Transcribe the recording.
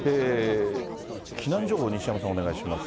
避難情報、西山さん、お願いします。